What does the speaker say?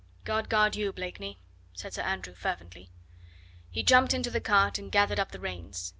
"God guard you, Blakeney!" said Sir Andrew fervently. He jumped into the cart and gathered up the reins.